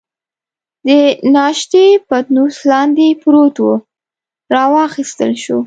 د ناشتې پتنوس لاندې پروت وو، را واخیستل شو.